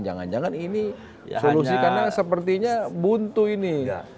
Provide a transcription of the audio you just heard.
jangan jangan ini solusikannya sepertinya buntu ini